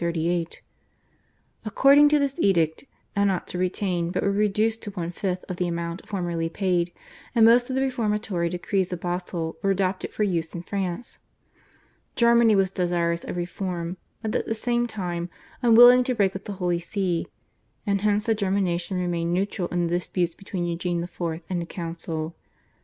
According to this edict annats were retained, but were reduced to one fifth of the amount formerly paid, and most of the reformatory decrees of Basle were adopted for use in France. Germany was desirous of reform, but at the same time unwilling to break with the Holy See, and hence the German nation remained neutral in the disputes between Eugene IV. and the Council.